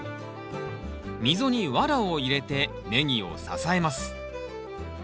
溝にワラを入れてネギを支えます